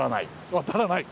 渡らない。